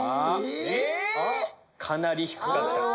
えっ⁉かなり低かった。